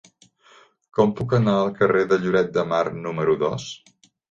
Com puc anar al carrer de Lloret de Mar número dos?